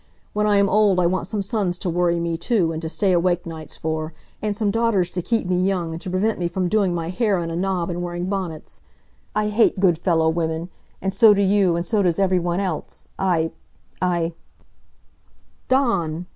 When I am old I want some sons to worry me, too, and to stay awake nights for, and some daughters to keep me young, and to prevent me from doing my hair in a knob and wearing bonnets! I hate good fellow women, and so do you, and so does every one else! I I " "Dawn!"